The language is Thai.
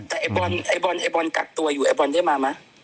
แต่ไอ้บอลไอ้บอลไอ้บอลกักตัวอยู่ไอบอลได้มาไหม